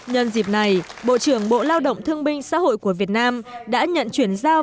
nhân dịp này bộ trưởng bộ lao động thương binh xã hội của việt nam đã nhận chuyển giao